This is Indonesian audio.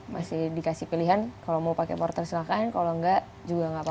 masih dikasih pilihan kalau mau pakai porter silahkan kalau enggak juga nggak apa apa